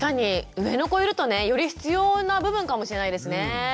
上の子いるとねより必要な部分かもしれないですね。